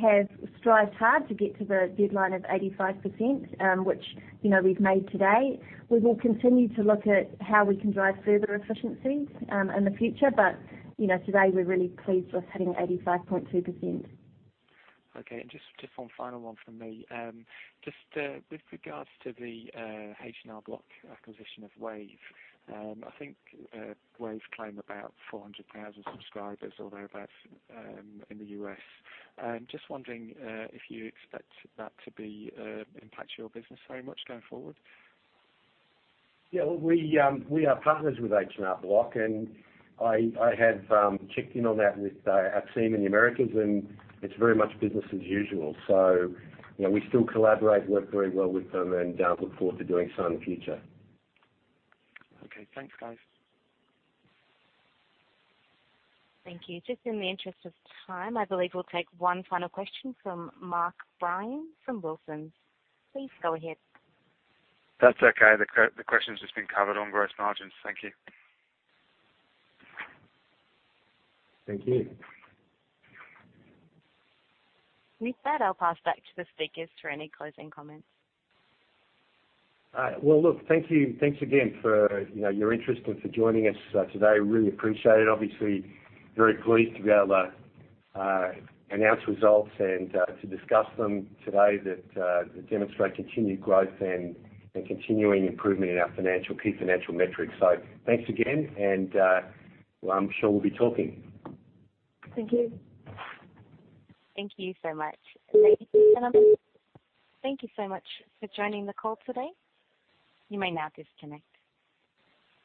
have strived hard to get to the deadline of 85%, which we've made today. We will continue to look at how we can drive further efficiencies in the future. Today, we're really pleased with hitting 85.2%. Okay, just one final one from me. Just with regards to the H&R Block acquisition of Wave. I think Wave claim about 400,000 subscribers or thereabout in the U.S. Just wondering if you expect that to impact your business very much going forward. We are partners with H&R Block, and I have checked in on that with our team in the Americas, and it's very much business as usual. We still collaborate, work very well with them, and look forward to doing so in the future. Okay. Thanks, guys. Thank you. Just in the interest of time, I believe we will take one final question from Mark Bryan from Wilsons. Please go ahead. That's okay. The question's just been covered on gross margins. Thank you. Thank you. With that, I'll pass back to the speakers for any closing comments. All right. Well, look, thanks again for your interest and for joining us today. Really appreciate it. Obviously, very pleased to be able to announce results and to discuss them today, that demonstrate continued growth and continuing improvement in our key financial metrics. Thanks again, and I'm sure we'll be talking. Thank you. Thank you so much. Thank you to panelists. Thank you so much for joining the call today. You may now disconnect.